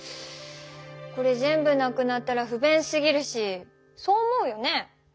これ全部なくなったらふべんすぎるしそう思うよね？